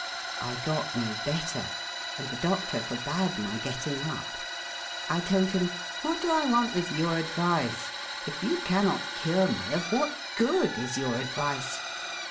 I got no better, and the doctor forbade my getting up. I told him, 'What do I want with your advice? If you cannot cure me, of what good is your advice?'